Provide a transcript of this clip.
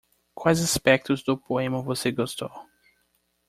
Quais aspectos do poema você gostou?